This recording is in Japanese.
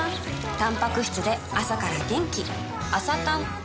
たんぱく質で朝から元気